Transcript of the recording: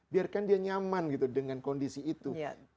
biarkan dia nyaman gitu dengan kondisi itu